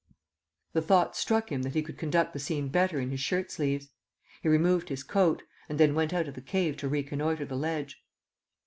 The thought struck him that he could conduct the scene better in his shirt sleeves. He removed his coat, and then went out of the cave to reconnoitre the ledge.